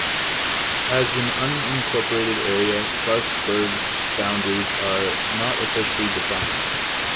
As an unincorporated area, Clarksburg's boundaries are not officially defined.